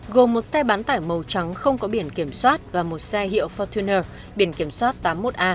gồm một xe bán tải màu trắng không có biển kiểm soát và một xe hiệu fortuner biển kiểm soát tám mươi một a một mươi bảy nghìn bốn trăm chín mươi sáu